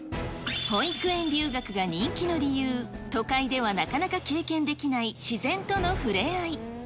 保育園留学が人気の理由、都会ではなかなか経験できない自然との触れ合い。